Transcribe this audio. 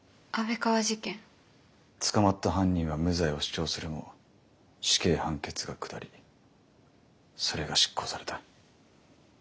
捕まった犯人は無罪を主張するも死刑判決が下りそれが執行された。